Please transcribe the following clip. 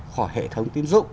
khỏi hệ thống tiêm dụng